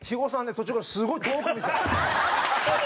途中からすごい遠くを見てた。